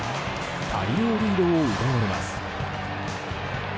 大量リードを奪われます。